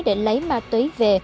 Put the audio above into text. để lấy ma túy về